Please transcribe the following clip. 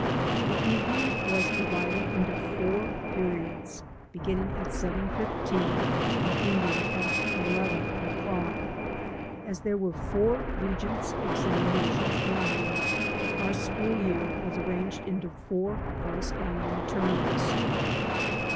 The evening was divided into four periods, beginning at seven fifteen and ending at eleven o'clock. As there were foiu* Regents' examinations annually, our school year was arranged into four corresponding terms.